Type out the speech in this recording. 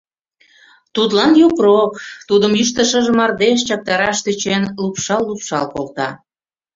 Тудлан йокрок, тудым йӱштӧ шыже мардеж, чактараш тӧчен, лупшал-лупшал колта.